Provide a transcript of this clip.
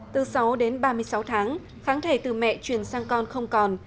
từ sáu đến ba mươi sáu tháng kháng thể từ mẹ truyền sang con không còn